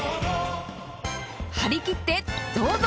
張り切ってどうぞ！